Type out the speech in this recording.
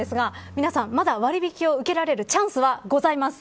皆さん、まだ割引を受けれるチャンスはございます。